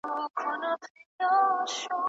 معلم صاحب زموږ پاڼه نه ده وړاندي کړې.